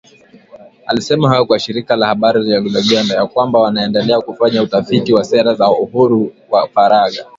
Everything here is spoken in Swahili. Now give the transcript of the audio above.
Alisema hayo kwa shirika la habari la Uganda, ya kwamba wanaendelea kufanya utafiti wa sera za uhuru wa faragha.